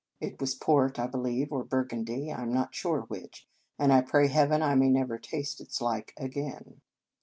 It was port, I believe, or Burgundy, I am not sure which, and I pray Heaven I may never taste its like again.